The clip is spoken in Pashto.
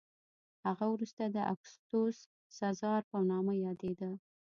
هغه وروسته د اګوستوس سزار په نامه یادېده